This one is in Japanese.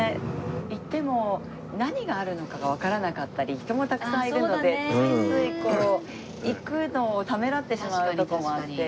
行っても何があるのかがわからなかったり人もたくさんいるのでついついこう行くのをためらってしまうとこもあって。